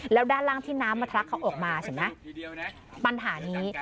แล้วด้านล่างที่น้ำมาทะลักเขาออกมาเห็นไหมปัญหานี้